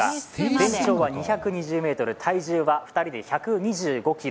全長は２２０ｍ、体重は２人で１２５ｋｇ。